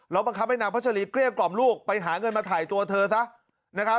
เราบังคับให้นางพระชะลีเกลี้ยกล่อมลูกไปหาเงินมาถ่ายตัวเธอซะ